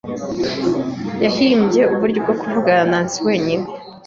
Yahimbye uburyo bwo kuvugana na Nancy wenyine.